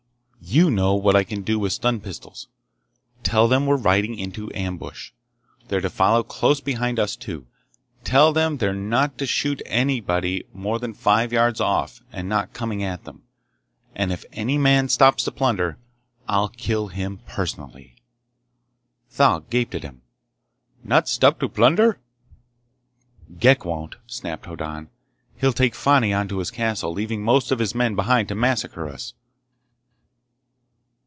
You know what I can do with stun pistols! Tell them we're riding into ambush. They're to follow close behind us two! Tell them they're not to shoot at anybody more than five yards off and not coming at them, and if any man stops to plunder I'll kill him personally!" Thal gaped at him. "Not stop to plunder?" "Ghek won't!" snapped Hoddan. "He'll take Fani on to his castle, leaving most of his men behind to massacre us!"